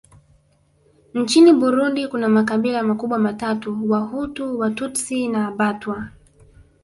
Nchini Burundi kuna makabila makubwa matatu Wahutu Watutsi na Batwa